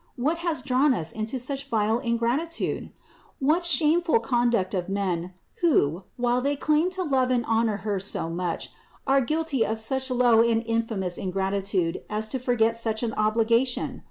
What has drawn us into such vile ingratitude? What shameful conduct of men, who, while they claim to love and honor Her so much, are guilty of such low and infamous in gratitude as to forget such an obligation?